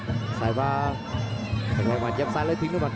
พยายามจะไถ่หน้านี่ครับการต้องเตือนเลยครับ